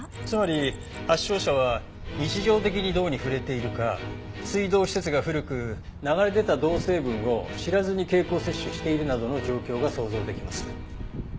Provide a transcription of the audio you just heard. つまり発症者は日常的に銅に触れているか水道施設が古く流れ出た銅成分を知らずに経口摂取しているなどの状況が想像できます。